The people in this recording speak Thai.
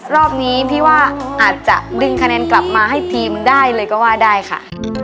รอบนี้พี่ว่าอาจจะดึงคะแนนกลับมาให้ทีมได้เลยก็ว่าได้ค่ะ